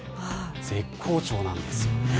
絶好調なんですよね。